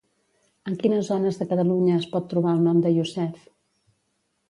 En quines zones de Catalunya es pot trobar el nom de Youssef?